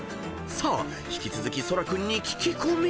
［さあ引き続き空楽君に聞き込み］